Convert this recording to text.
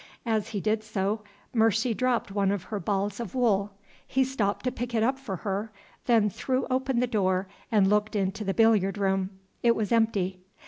As he did so Mercy dropped one of her balls of wool. He stopped to pick it up for her then threw open the door and looked into the billiard room. It was empty.